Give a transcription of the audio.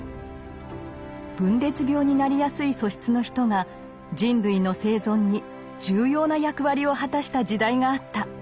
分裂病になりやすい素質の人が人類の生存に重要な役割を果たした時代があった。